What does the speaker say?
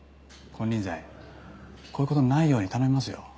金輪際こういうことのないように頼みますよ。